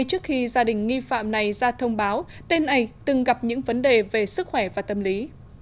tên này từng gặp những vấn đề về sức khỏe và tâm lý